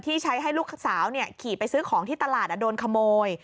ใช้ให้ลูกสาวขี่ไปซื้อของที่ตลาดโดนขโมย